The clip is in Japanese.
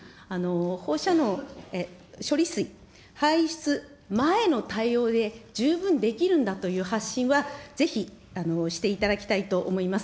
放射能、処理水、排出前の対応で十分できるんだという発信はぜひ、していただきたいと思います。